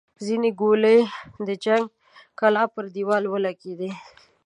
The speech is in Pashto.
ځينې ګولۍ د جنګي کلا پر دېوالونو ولګېدې.